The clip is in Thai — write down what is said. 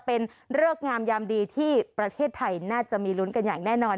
เป็นเลิกงามยามดีที่ประเทศไทยน่าจะมีลุ้นกันอย่างแน่นอน